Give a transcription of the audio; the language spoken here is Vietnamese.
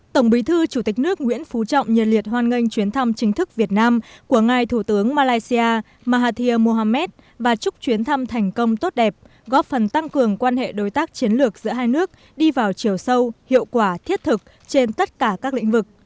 tổng bí thư chủ tịch nước nguyễn phú trọng nhiệt liệt hoan nghênh chuyến thăm chính thức việt nam của ngài thủ tướng malaysia mahathir mohamed và chúc chuyến thăm thành công tốt đẹp góp phần tăng cường quan hệ đối tác chiến lược giữa hai nước đi vào chiều sâu hiệu quả thiết thực trên tất cả các lĩnh vực